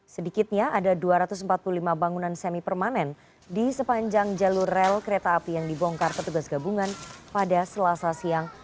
sedikitnya ada dua ratus empat puluh lima bangunan semi permanen di sepanjang jalur rel kereta api yang dibongkar petugas gabungan pada selasa siang